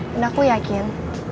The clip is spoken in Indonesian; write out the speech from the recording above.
dan aku yakin